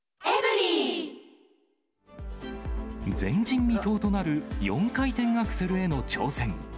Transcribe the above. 前人未到となる４回転アクセルへの挑戦。